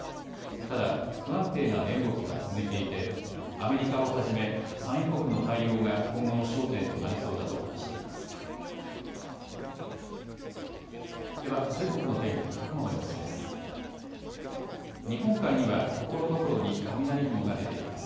ただ不安定な値動きは続いていてアメリカをはじめ産油国の対応が今後の焦点となりそうだと話しています。